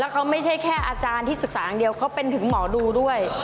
เขาไม่ใช่แค่อาจารย์ที่ศึกษาอย่างเดียวเขาเป็นถึงหมอดูด้วย